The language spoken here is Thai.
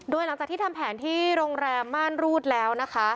โดยหลังจากที่ทำแผนที่โรงแรมม่านรูดแล้วนะคะ